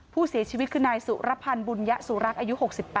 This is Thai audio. ผู้เสียชีวิตคือนายสุรพันธ์บุญยสุรักษ์อายุ๖๘